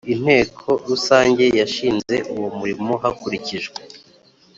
Inteko Rusange yashinze uwo murimo hakurikijwe